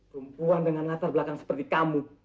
perempuan dengan latar belakang seperti kamu